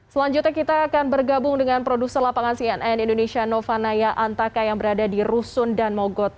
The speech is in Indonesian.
selanjutnya kita akan bergabung dengan produser lapangan cnn indonesia nova naya antaka yang berada di rusun dan mogot